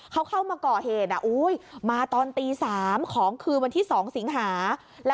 เขาเข้ามาก่อเหตุมาตอนตี๓ของคืนวันที่๒สิงหา